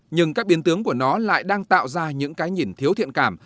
nhưng các biến tướng của nó lại đang tạo ra những cái nhìn thiếu thiện cảm